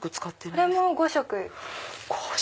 これも５色。